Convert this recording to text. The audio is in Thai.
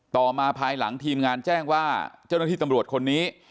ต่อมาภายหลังทีมงานแจ้งว่าเจ้าหน้าที่ตำรวจคนนี้